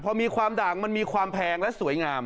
พอมีความด่างมันมีความแพงและสวยงาม